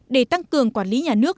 để tăng cường quản lý nhà nước